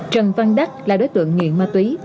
trần văn đắc là đối tượng nghiện ma túy